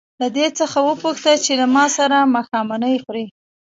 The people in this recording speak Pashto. له دې څخه وپوښته چې له ما سره ماښامنۍ خوري.